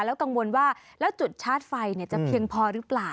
แล้วกังวลว่าแล้วจุดชาร์จไฟจะเพียงพอหรือเปล่า